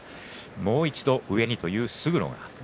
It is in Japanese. もう一度、上にという勝呂です。